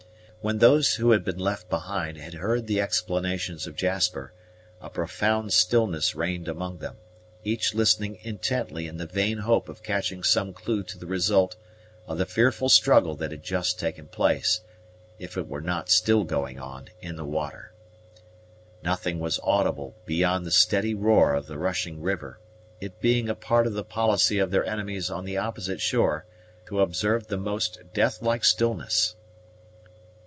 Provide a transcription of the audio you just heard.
When those who had been left behind had heard the explanations of Jasper, a profound stillness reigned among them, each listening intently in the vain hope of catching some clue to the result of the fearful struggle that had just taken place, if it were not still going on in the water. Nothing was audible beyond the steady roar of the rushing river; it being a part of the policy of their enemies on the opposite shore to observe the most deathlike stillness.